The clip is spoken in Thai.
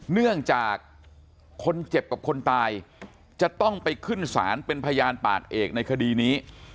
เนื่องจากคนเจ็บกับคนตายจะต้องไปขึ้นศาลเป็นพยานปากเอกในคดีนี้